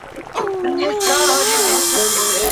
توده ډوډۍ بې خونده نه وي.